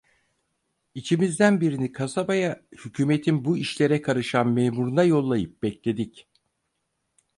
İçimizden birini kasabaya, hükümetin bu işlere karışan memuruna yollayıp bekledik.